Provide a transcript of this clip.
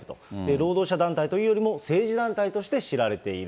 労働者団体というよりも、政治団体として知られている。